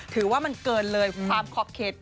ถือว่ามันเกินเลยความขอบเข็ด